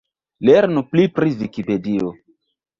Lernu pli pri Vikipedio.